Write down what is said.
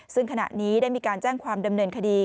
ซึ่งขณะนี้ได้มีการแจ้งความดำเนินคดี